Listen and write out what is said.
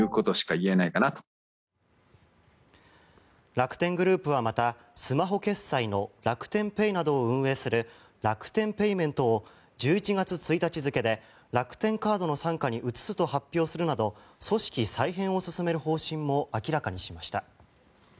楽天グループは、またスマホ決済の楽天ペイなどを運営する楽天ペイメントを１１月１日付で楽天カードの傘下に移すと発表するなど組織再編を進める方針も明らかにしました。